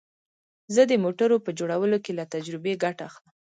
زه د موټرو په جوړولو کې له تجربې ګټه اخلم